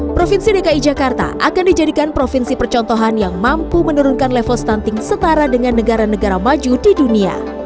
provinsi dki jakarta akan dijadikan provinsi percontohan yang mampu menurunkan level stunting setara dengan negara negara maju di dunia